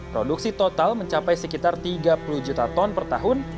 produksi total mencapai sekitar tiga puluh juta ton per tahun